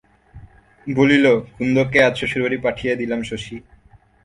বলিল, কুন্দকে আজ শ্বশুরবাড়ি পাঠিয়ে দিলাম শশী।